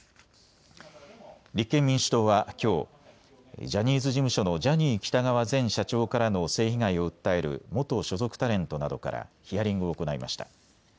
立憲民主党はきょうジャニーズ事務所のジャニー喜多川前社長からの性被害を訴える元所属タレントなどからヒアリングを行いました。